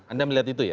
anda melihat itu ya